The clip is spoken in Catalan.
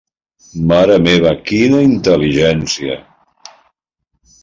Mare meva, quina intel·ligència!